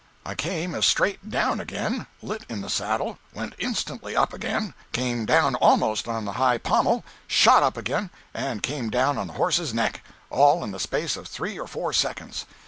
I came as straight down again, lit in the saddle, went instantly up again, came down almost on the high pommel, shot up again, and came down on the horse's neck—all in the space of three or four seconds.